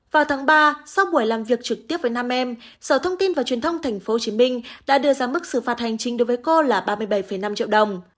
vào tháng ba sau buổi làm việc trực tiếp với nam em sở thông tin và truyền thông tp hcm đã đưa ra mức xử phạt hành chính đối với cô là ba mươi bảy năm triệu đồng